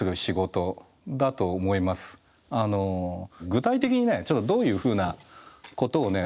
具体的にねちょっとどういうふうなことをね